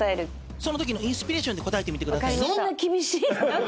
そのときのインスピレーションで答えてみてくださいね。